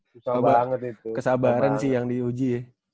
susah banget itu kesabaran sih yang diuji